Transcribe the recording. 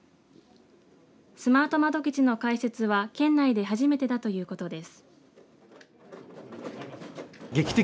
スマート窓口の開設は県内で初めてだということです。